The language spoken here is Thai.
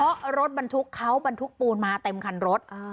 เพราะรถบรรทุกเขาบรรทุกปูนมาเต็มคันรถ